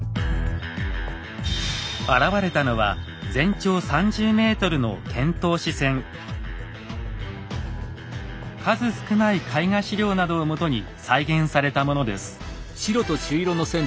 現れたのは数少ない絵画史料などをもとに再現されたものです。